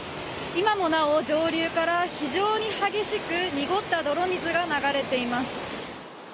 今もなお上流から非常に激しく濁った泥水が流れています。